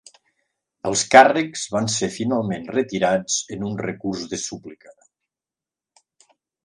Els càrrecs van ser finalment retirats en un recurs de súplica.